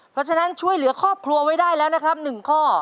เพราะฉะนั้นช่วยเหลือครอบครัวไว้ได้แล้วนะครับ๑ข้อ